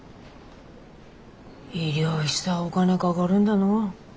医療費さお金かかるんだの。